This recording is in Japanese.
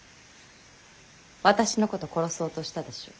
私のこと殺そうとしたでしょう。